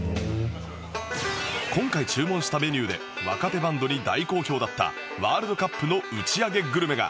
今回注文したメニューで若手バンドに大好評だったワールドカップの打ち上げグルメが